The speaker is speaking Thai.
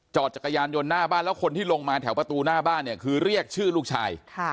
จักรยานยนต์หน้าบ้านแล้วคนที่ลงมาแถวประตูหน้าบ้านเนี่ยคือเรียกชื่อลูกชาย